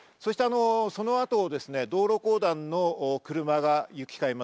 そのあとを道路公団の車が行き交います。